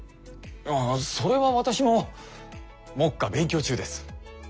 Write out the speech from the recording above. ああそれは私も目下勉強中です。